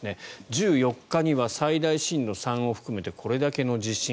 １４日は最大震度３を含めてこれだけの地震。